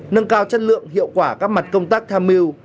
nâng cao chất lượng hiệu quả các mặt công tác tham mưu